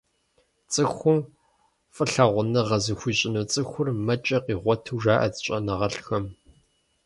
Цӏыхум фӏылъагъуныгъэ зыхуищӏыну цӏыхур, мэкӏэ къигъуэту жаӏэ щӏэныгъэлӏхэм.